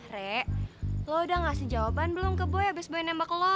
rek lo udah ngasih jawaban belum ke boy abis boy nembak lo